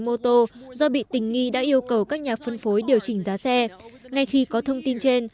mô tô do bị tình nghi đã yêu cầu các nhà phân phối điều chỉnh giá xe ngay khi có thông tin trên